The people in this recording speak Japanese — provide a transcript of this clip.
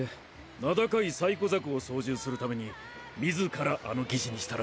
名高いサイコ・ザクを操縦するために自らあの義肢にしたらしい。